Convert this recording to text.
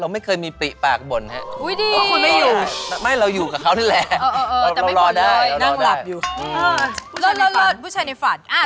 ไม่อยากถ่ายฝ่า